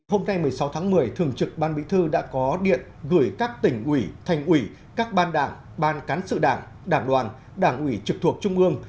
hôm nay một mươi sáu tháng một mươi thường trực ban bí thư đã có điện gửi các tỉnh ủy thành ủy các ban đảng ban cán sự đảng đảng đoàn đảng ủy trực thuộc trung ương